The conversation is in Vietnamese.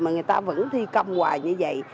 mà người ta vẫn thi công hoài như vậy